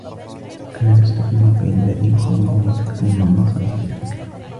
أنا لست في الموقع الذي يخوّلني تقديم النصائح لك